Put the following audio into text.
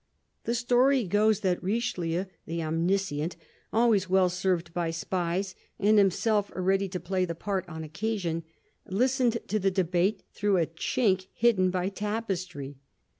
The story goes that Richelieu, the omniscient, always well served by spies and himself ready to play the part on occasion, listened to the debate through a chink hidden by tapestry.